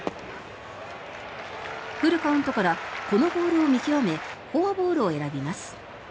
フルカウントからこのボールを見極めフォアボールを選びます。